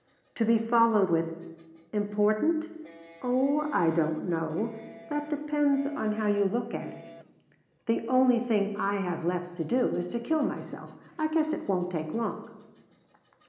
To be followed with: "Important? Oh I don't know. That depends on how you look at it. The only thing I have left to do is to kill myself. I guess it won't take long."